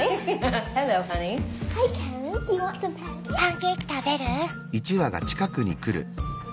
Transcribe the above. パンケーキ食べる？